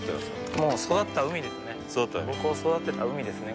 もう育った海ですね。